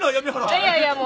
いやいやもう私は。